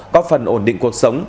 góp phần ổn định cuộc sống